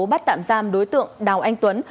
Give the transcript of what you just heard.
bắt tạm giam đối tượng đào anh tuấn